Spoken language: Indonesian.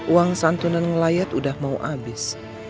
uang santunan ngelayat udah mau habis